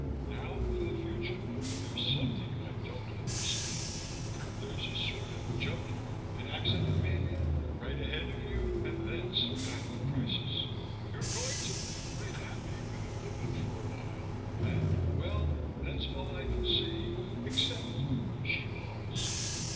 Now for the future, there's something I don't understand. There's a sort of jumble an accident mebbe right ahead of you and then some kind of crisis. You're going to live quite happy with a woman for a while and, well, that's all I can see, except " she paused.